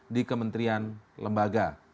di kementerian lembaga